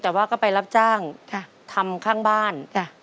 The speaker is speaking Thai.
แต่ว่าก็ไปรับจ้างทำข้างบ้าน